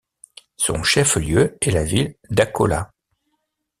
Son chef-lieu est la ville d'Akola.